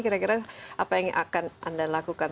kira kira apa yang akan anda lakukan